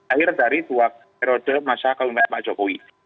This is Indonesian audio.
akhir dari dua periode masa kemimpinan pak jokowi